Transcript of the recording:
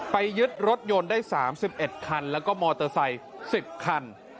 ยึดรถยนต์ได้๓๑คันแล้วก็มอเตอร์ไซค์๑๐คัน